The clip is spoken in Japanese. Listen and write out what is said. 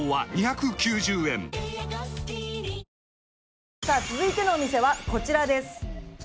さあさあ続いてのお店はこちらです。